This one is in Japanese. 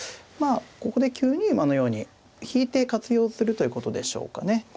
まあここで９二馬のように引いて活用するということでしょうかね。